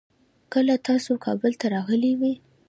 کله تاسو کابل ته راغلې وي؟